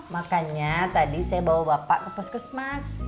makanya tadi saya bawa bapak ke pos kesmas